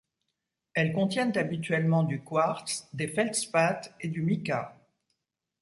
Elles contiennent habituellement du quartz, des feldspaths et du mica.